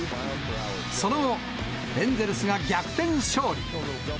その後、エンゼルスが逆転勝利。